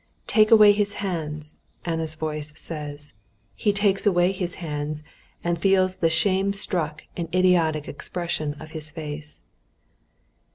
"Take away his hands," Anna's voice says. He takes away his hands and feels the shamestruck and idiotic expression of his face.